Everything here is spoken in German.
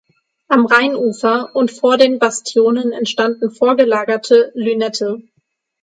Am Rheinufer und vor den Bastionen entstanden vorgelagerte Lünette.